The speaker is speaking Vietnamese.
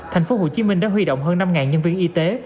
thành phố hồ chí minh đã huy động hơn năm nhân viên y tế